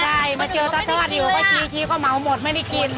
ใช่มาเจียวทั้วอยู่ก็ชี้ก็เมาหมดไม่ได้กิน